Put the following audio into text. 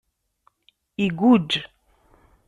Igujj.